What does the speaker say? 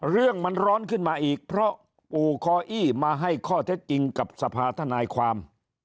เรื่องมันร้อนขึ้นมาอีกเพราะปู่คออี้มาให้ข้อเท็จจริงกับสภาธนายความ